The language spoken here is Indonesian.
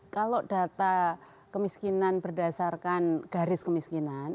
kalau data kemiskinan berdasarkan garis kemiskinan